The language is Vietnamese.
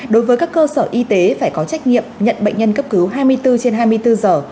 đối với các cơ sở y tế phải có trách nhiệm nhận bệnh nhân cấp cứu hai mươi bốn trên hai mươi bốn giờ